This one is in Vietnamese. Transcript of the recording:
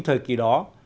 thời kỳ đó